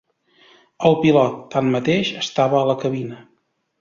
El pilot, tanmateix, estava a la cabina.